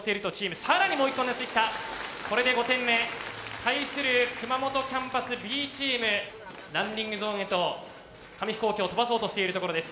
対する熊本キャンパスＢチームランディングゾーンへと紙飛行機を飛ばそうとしているところです。